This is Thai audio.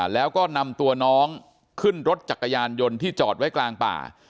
แล้วก็นำตัวน้องขึ้นรถจักรยานยนต์ที่จอดไว้กลางป่า